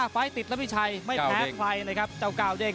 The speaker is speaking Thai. ไฟล์ติดนะพี่ชัยไม่แพ้ใครเลยครับเจ้าก้าวเด้ง